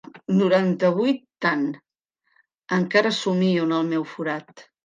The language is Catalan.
Noranta-vuit tant, encara somio en el meu forat.